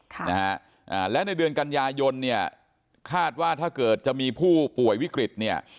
ค่ะนะฮะอ่าและในเดือนกันยายนเนี่ยคาดว่าถ้าเกิดจะมีผู้ป่วยวิกฤตเนี่ย